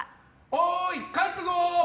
おーい、帰ったぞ！